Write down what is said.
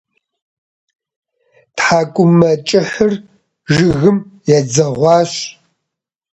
Тхьэкӏумэкӏыхьыр жыгым едзэгъуащ.